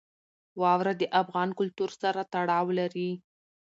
واوره د افغان کلتور سره تړاو لري.